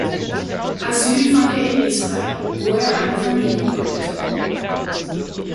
Asyl fand er in Israel, wo er eine Familie gründete.